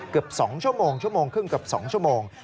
เกือบ๒ชั่วโมงชั่วโมงครึ่งเกือบ๒ชั่วโมง